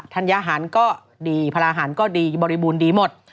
ธัญหารก็ดีพลาหารก็ดีบริบูรณ์ดีหมด